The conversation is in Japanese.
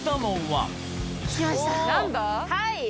はい！